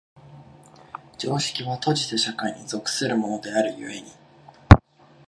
常識は閉じた社会に属するものである故に、